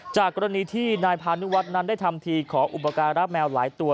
จากกรณีที่นายพานุวัฒน์นั้นได้ทำทีขออุปการะแมวหลายตัว